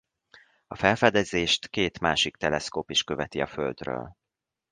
A felfedezést két másik teleszkóp is követi a Földről.